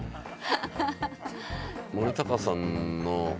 森高さんの。